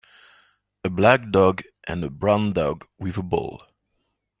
A black dog and a brown dog with a ball